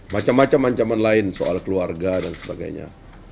macam macam ancaman lain soal keluarga dan sebagainya